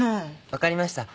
分かりました。